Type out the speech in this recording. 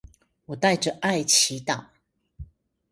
我帶著愛祈禱